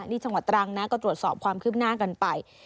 นี่จังหวัดตรังนะก็ตรวจสอบความคืบหน้ากันไป